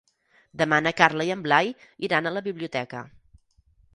Demà na Carla i en Blai iran a la biblioteca.